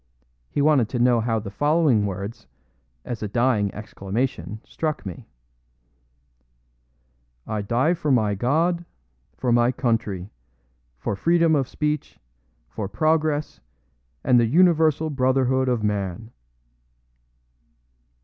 He wanted to know how the following words, as a dying exclamation, struck me: "I die for my God, for my country, for freedom of speech, for progress, and the universal brotherhood of man!"